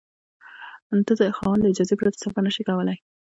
ته د خاوند له اجازې پرته سفر نشې کولای.